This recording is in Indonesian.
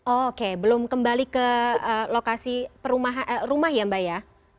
oke belum kembali ke lokasi rumah ya mbak ya